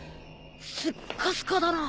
すっかすかだな。